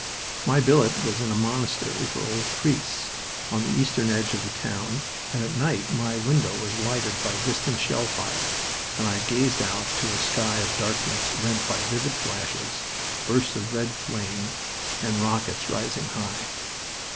My billet was in a monastery for old priests, on the eastern edge of the town, and at night my window was lighted by distant shell fire, and I gazed out to a sky of darkness rent by vivid flashes, bursts of red flame, and rockets rising high.